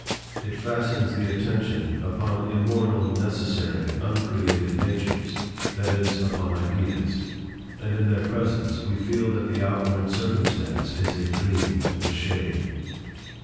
It fastens the attention upon immortal necessary uncreated natures, that is, upon Ideas; and in their presence, we feel that the outward circumstance is a dream and a shade.